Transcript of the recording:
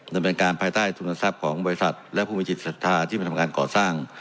ดำเนินการภายใต้ทุนทรัพย์ของบริษัทและผู้มีจิตศรัทธาที่มาทำการก่อสร้าง